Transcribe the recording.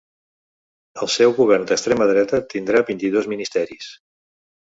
El seu govern d’extrema dreta tindrà vint-i-dos ministeris.